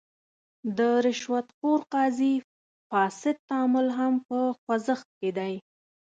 د رشوت خور قاضي فاسد تعامل هم په خوځښت کې دی.